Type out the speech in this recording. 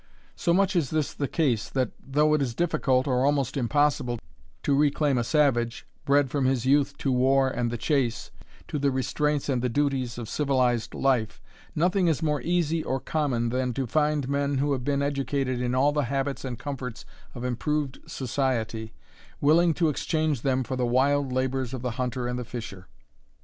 So much is this the case, that, though it is difficult, or almost impossible, to reclaim a savage, bred from his youth to war and the chase, to the restraints and the duties of civilized life, nothing is more easy or common than to find men who have been educated in all the habits and comforts of improved society, willing to exchange them for the wild labours of the hunter and the fisher.